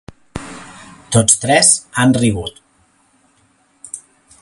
Tots tres han rigut.